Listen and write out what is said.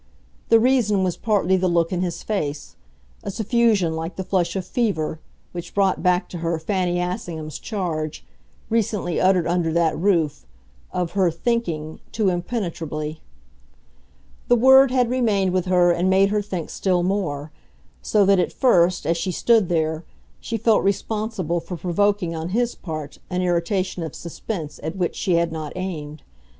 The reason was partly the look in his face a suffusion like the flush of fever, which brought back to her Fanny Assingham's charge, recently uttered under that roof, of her "thinking" too impenetrably. The word had remained with her and made her think still more; so that, at first, as she stood there, she felt responsible for provoking on his part an irritation of suspense at which she had not aimed.